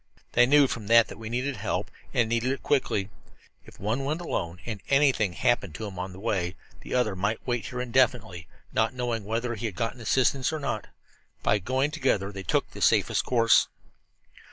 They knew from that that we needed help, and needed it quickly. If one went alone, and anything happened to him on the way, the other might wait here indefinitely, not knowing whether he had got assistance or not. By going together they took the safest course."